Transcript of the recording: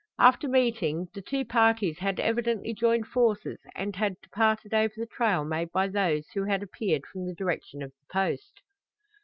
After meeting, the two parties had evidently joined forces and had departed over the trail made by those who had appeared from the direction of the Post.